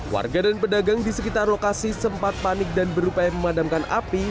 warga dan pedagang di sekitar lokasi sempat panik dan berupaya memadamkan api